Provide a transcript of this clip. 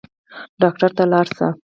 ډاکټر ته لاړ شئ